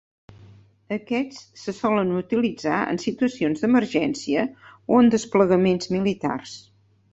Aquests se solen utilitzar en situacions d'emergència o en desplegaments militars.